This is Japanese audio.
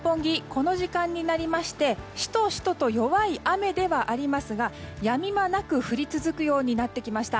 この時間になりましてしとしとと弱い雨ではありますがやみ間なく降り続くようになってきました。